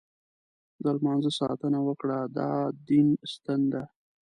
د لمانځه ساتنه وکړه، دا دین ستن ده.